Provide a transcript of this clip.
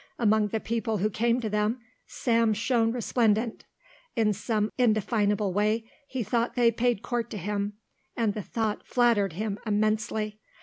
Among the people who came to them, Sam shone resplendent. In some indefinable way he thought they paid court to him and the thought flattered him immensely.